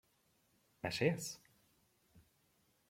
Mesélsz?